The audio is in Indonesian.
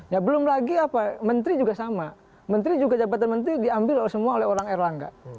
ya belum lagi apa menteri juga sama menteri juga jabatan menteri diambil semua oleh orang erlangga